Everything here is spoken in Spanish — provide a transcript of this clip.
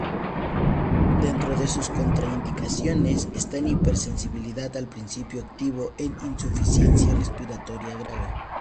Dentro de sus contraindicaciones estan Hipersensibilidad al principio activo, en insuficiencia respiratoria grave.